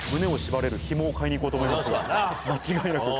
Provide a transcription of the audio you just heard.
間違いなく。